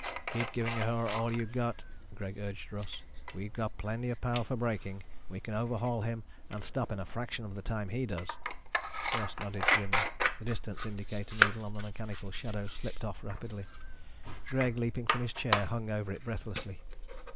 "Keep giving her all you got," Greg urged Russ. "We've got plenty of power for braking. We can overhaul him and stop in a fraction of the time he does." Russ nodded grimly. The distance indicator needle on the mechanical shadow slipped off rapidly. Greg, leaping from his chair, hung over it, breathlessly.